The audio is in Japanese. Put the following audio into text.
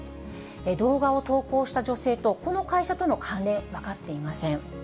動画を投稿した女性とこの会社との関連、分かっていません。